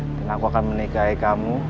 dan aku akan menikahi kamu